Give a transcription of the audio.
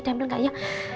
dihambil gak ya